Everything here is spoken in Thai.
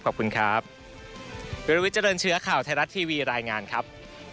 ขอบคุณครับ